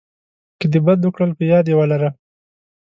که د بد وکړل په یاد یې ولره .